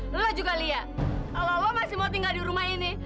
lo juga lihat kalau lo masih mau tinggal di rumah ini